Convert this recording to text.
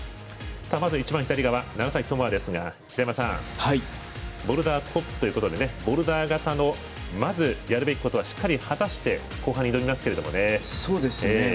まず、一番左側、楢崎智亜ですがボルダー得意ということでボルダー型のやるべきことをしっかり果たして後半挑みますけどね。